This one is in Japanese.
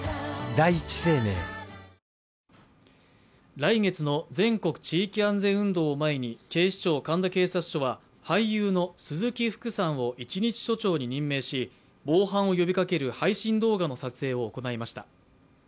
来月の全国地域安全運動を前に警視庁神田警察署は俳優の鈴木福さんを一日署長に任命し防犯を呼びかける配信動画の撮影を行いました。